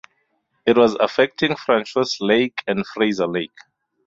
It was affecting Francois Lake and Fraser Lake.